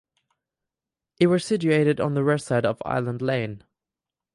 It was situated on the west side of Island Lane.